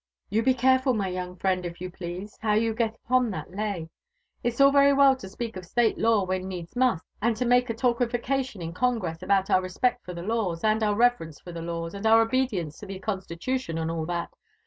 "You be careful, my young friend, if you please, heir yotf get upon thfl^ lay. It's all very well to speak of State law when needs must, and to make a talkification in Congress about our respect tor the laws, and our reverence for the laws, and our obedience to (he constitution, and all that.